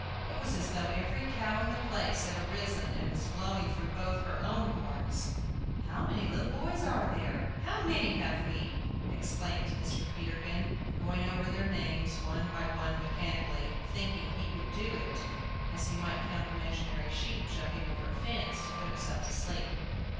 It was as though every cow in the place had arisen and was blowing through both her own horns! "How many little boys are there? How many have we?" exclaimed Mr. Peterkin, going over their names one by one mechanically, thinking he would do it, as he might count imaginary sheep jumping over a fence, to put himself to sleep.